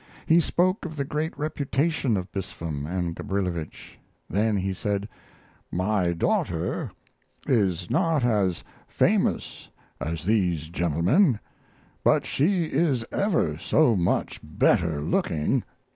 He spoke of the great reputation of Bispham and Gabrilowitsch; then he said: "My daughter is not as famous as these gentlemen, but she is ever so much better looking."